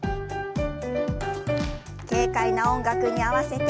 軽快な音楽に合わせて。